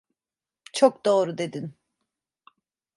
Çok doğru dedin!